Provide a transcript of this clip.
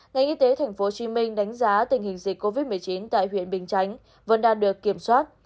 ngành y tế tp hcm đánh giá tình hình dịch covid một mươi chín tại huyện bình chánh vẫn đang được kiểm soát